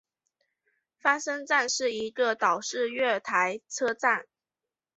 翻身站是一个岛式月台车站。